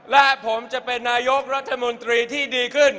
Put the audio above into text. และผมจะเป็นนายกรัฐมนตรีที่ดีขึ้น